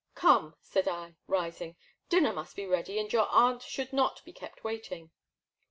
" Come,*' said I, rising, " dinner must be ready and your aunt should not be kept waiting.'